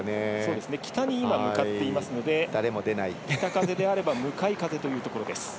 北に向かっていますので北風であれば向かい風というところです。